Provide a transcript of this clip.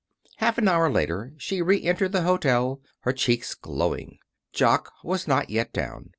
Half an hour later she reentered the hotel, her cheeks glowing. Jock was not yet down.